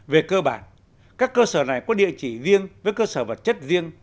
về cơ bản các cơ sở này có địa chỉ riêng với cơ sở vật chất riêng